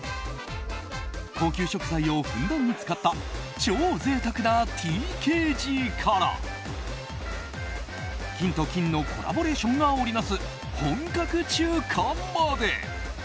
高級食材をふんだんに使った超贅沢なＴＫＧから菌と菌のコラボレーションが織りなす、本格中華まで。